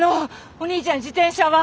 お兄ちゃん自転車は！